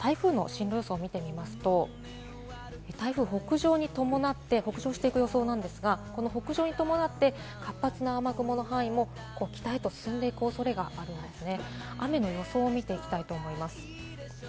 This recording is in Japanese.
このあと台風の進路予想を見てみますと、北上していく予想なんですが、この北上に伴って活発な雨雲の範囲も北へと進んで行くおそれがありますね。